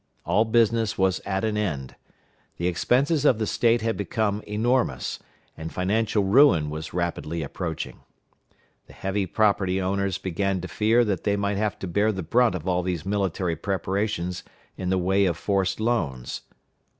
All business was at an end. The expenses of the State had become enormous, and financial ruin was rapidly approaching. The heavy property owners began to fear they might have to bear the brunt of all these military preparations in the way of forced loans.